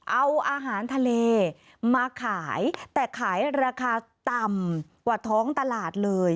เอาอาหารทะเลมาขายแต่ขายราคาต่ำกว่าท้องตลาดเลย